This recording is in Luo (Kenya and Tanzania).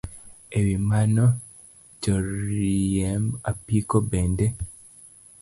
E wi mano, joriemb apiko bende